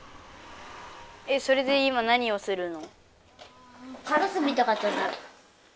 えっそれで今何をするの？